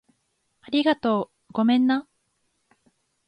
ありがとう。ごめんな